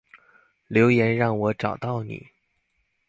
留言讓我找到你